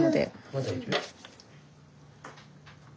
まだいる？